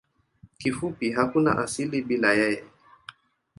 Kifupi hakuna asili bila yeye.